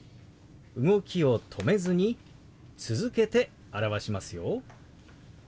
動きを止めずに続けて表しますよ。